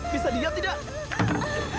bisa diingat tidak